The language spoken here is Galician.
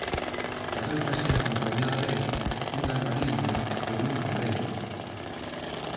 Adóitase acompañar ben cun albariño ou un ribeiro.